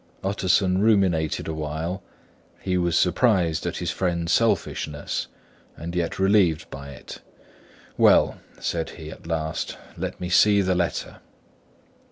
Utterson ruminated awhile; he was surprised at his friend's selfishness, and yet relieved by it. "Well," said he, at last, "let me see the letter."